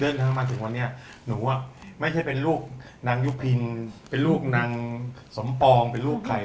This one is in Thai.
มาถึงวันนี้หนูไม่ใช่เป็นลูกนางยุพินเป็นลูกนางสมปองเป็นลูกใคร